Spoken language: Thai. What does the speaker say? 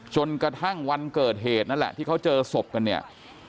จนกระทั่งวันเกิดเหตุนั่นแหละที่เขาเจอศพกันเนี่ย